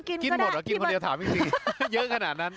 กินหมดเหรอกินคนเดียวถามอีกทีเยอะขนาดนั้น